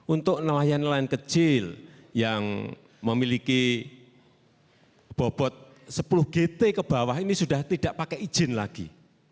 untuk nelayan nelayan kecil yang memiliki bobot sepuluh gt ke bawah ini sudah tidak pakai izin lagi